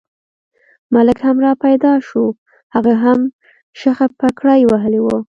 ملک هم را پیدا شو، هغه هم شخه پګړۍ وهلې وه.